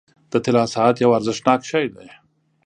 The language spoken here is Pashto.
• د طلا ساعت یو ارزښتناک شی دی.